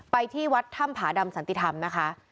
ที่วัดถ้ำผาดำสันติธรรมนะคะ